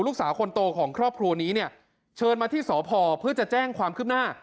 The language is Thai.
ลูกสาวคนโตของครอบครัวนี้เนี่ยเชิญมาที่สพเพื่อจะแจ้งความคืบหน้า